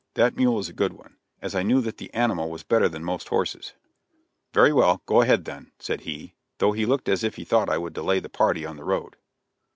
That mule is a good one," as I knew that the animal was better than most horses. "Very well; go ahead, then," said he, though he looked as if he thought I would delay the party on the road.